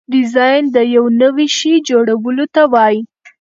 ډیزاین د یو نوي شي جوړولو ته وایي.